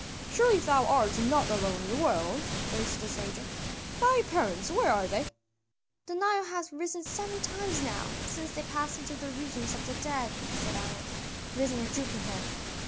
"Surely thou art not alone in the world," urged the stranger, "thy parents, where are they?" "The Nile hath risen seven times now since they passed into the regions of the dead," said Anat, raising her drooping head.